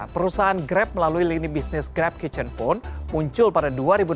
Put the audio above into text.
perusahaan grab melalui lini bisnis grab kitchen pun muncul pada dua ribu delapan belas